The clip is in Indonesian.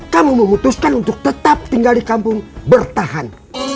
kamu memutuskan untuk tetap tinggal di kampung bertahan